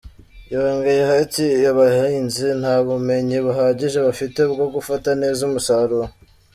Yongeyeho ati “Abahinzi nta bumenyi buhagije bafite bwo gufata neza umusaruro.